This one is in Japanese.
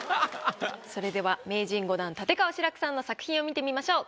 それでは名人５段立川志らくさんの作品を見てみましょう。